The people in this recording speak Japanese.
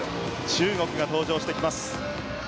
中国が登場してきます。